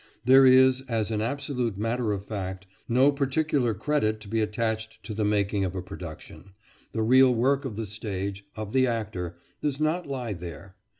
There is, as an absolute matter of fact, no particular credit to be attached to the making of a production. The real work of the stage, of the actor, does not lie there.